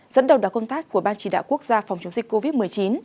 dẫn đầu đoàn công tác của ban chỉ đạo quốc gia phòng chống dịch covid một mươi chín